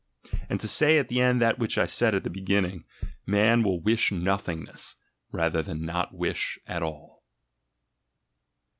— and to say at the end that which I said at the beginning — man will wish Nothingness rather than not wish at all.